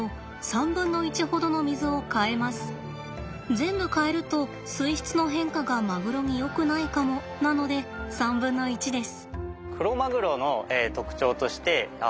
全部換えると水質の変化がマグロによくないかもなので３分の１です。